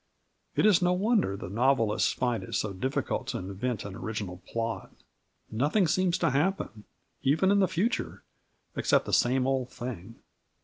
It is no wonder the novelists find it so difficult to invent an original plot. Nothing seems to happen even in the future except the same old thing.